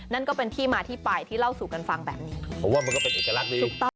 นั่นก็เป็นที่มาที่ไปที่เล่าสู่กันฟังแบบนี้เพราะว่ามันก็เป็นเอกลักษณ์ดีถูกต้อง